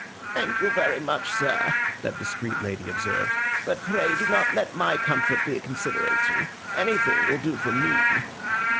'Thank you very much, sir,' that discreet lady observed, 'but pray do not let My comfort be a consideration. Anything will do for Me.